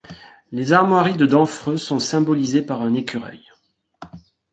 Les armoiries de Damphreux sont symbolisées par un écureuil.